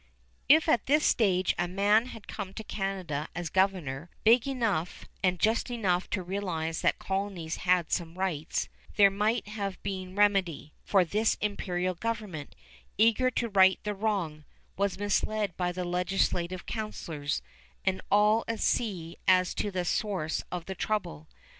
If at this stage a man had come to Canada as governor, big enough and just enough to realize that colonies had some rights, there might have been remedy; for the imperial government, eager to right the wrong, was misled by the legislative councilors, and all at sea as to the source of the trouble.